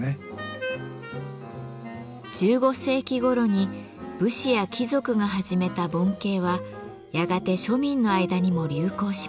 １５世紀ごろに武士や貴族が始めた盆景はやがて庶民の間にも流行しました。